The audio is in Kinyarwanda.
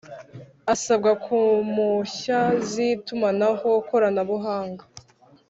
Asabwa ku mpushya z itumanaho koranabuhanga